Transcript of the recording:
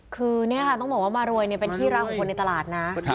คือนี่ค่ะต้องบอกว่ามารวยเป็นที่รักของคนในตลาดนะ